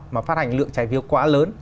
mà phát hành lượng trái phiếu quá lớn